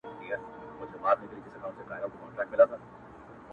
• هغه نوري ورځي نه در حسابیږي,